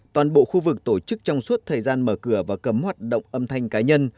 toàn bộ khu vực tổ chức trong suốt thời gian mở cửa và cấm hoạt động âm thanh cá nhân